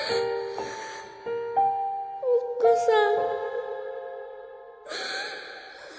おっかさん。